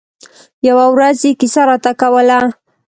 يوه ورځ يې کیسه راته کوله.